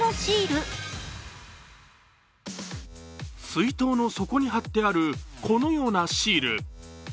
水筒の底に貼ってあるこのようなシール。